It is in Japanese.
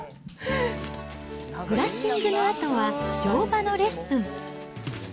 ブラッシングのあとは、乗馬のレッスン。